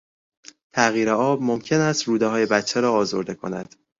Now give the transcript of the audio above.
تغییر آب ممکن است رودههای بچه را آزرده کند.